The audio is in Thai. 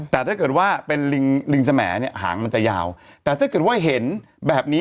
แต่ถ้าเกิดว่าเป็นลิงลิงสมเนี่ยหางมันจะยาวแต่ถ้าเกิดว่าเห็นแบบนี้